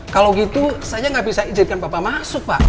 kalau gitu saya nggak bisa izinkan bapak masuk pak